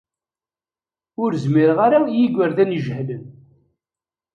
Ur zmireɣ ara i yigerdan ijehlen.